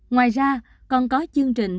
ngoài ra còn có chương trình